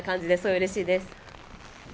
うれしいです。